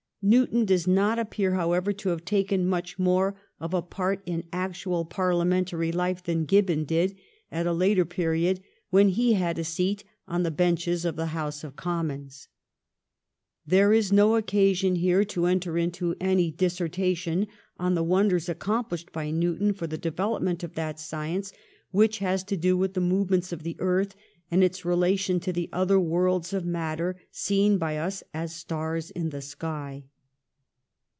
Newton does not appear, however, to have taken much more of a part in actual parhamentary life than Gibbon did, at a later period, when he had a seat on the benches of the House of Commons. There is no occasion here to enter into any dissertation on the wonders accomphshed by New ton for the development of that science which has to do with the movements of the earth and its relation to the other worlds of matter seen by us as stars in the sky.